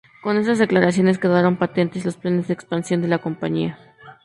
Con estas declaraciones quedaron patentes los planes de expansión de la compañía.